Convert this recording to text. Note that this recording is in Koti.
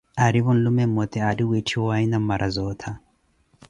Aarivo nlume mmote aari witthiwaye Namarazootha.